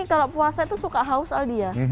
kalau puasa itu suka haus aldia